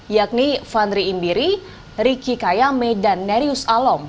yakni fandri indiri riki kayame dan nerius alom